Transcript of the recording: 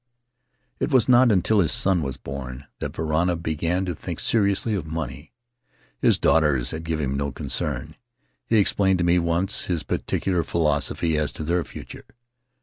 "It was not until his son was born that Varana His Mother's People began to think seriously of money. His daughters had given him no concern; he explained to me once his peculiar philosophy as to their future.